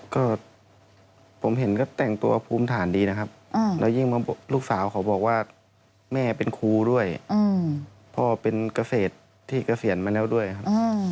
ก็ผมเห็นก็แต่งตัวภูมิฐานดีนะครับแล้วยิ่งลูกสาวเขาบอกว่าแม่เป็นครูด้วยพ่อเป็นเกษตรที่เกษียณมาแล้วด้วยครับ